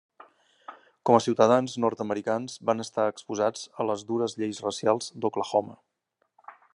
Com a ciutadans nord-americans van estar exposats a les dures lleis racials d'Oklahoma.